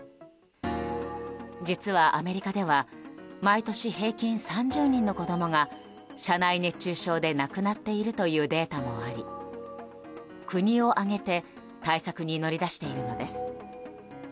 実はアメリカでは毎年、平均３０人の子供が車内熱中症で亡くなっているというデータもあり国を挙げて対策に乗り出しているのです。